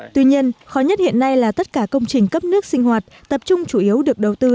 tuy nhiên khó nhất hiện nay là tất cả công trình cấp nước sinh hoạt tập trung chủ yếu được đầu tư